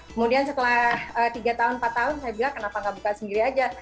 kemudian setelah tiga tahun empat tahun saya bilang kenapa nggak buka sendiri aja